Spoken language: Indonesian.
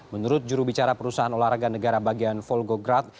menurut jurubicara perusahaan olahraga negara bagian volgograd